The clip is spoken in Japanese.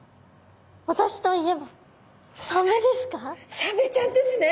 私といえばサメちゃんですね。